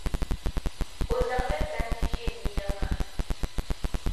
O zaŋla tandi ʒe n nina maa.